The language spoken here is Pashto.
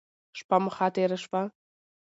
شپه مو ښه تیره شوه.